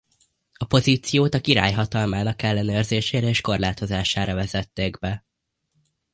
A pozíciót a király hatalmának ellenőrzésére és korlátozására vezették be.